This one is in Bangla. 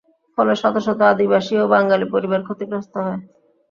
ফলে শত শত আদিবাসী ও বাঙালি পরিবার ক্ষতিগ্রস্ত হয় ।